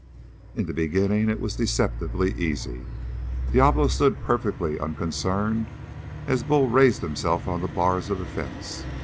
In the beginning it was deceptively easy. Diablo stood perfectly unconcerned as Bull raised himself on the bars of the fence.